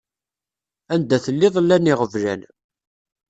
Anda telliḍ llan iɣeblan.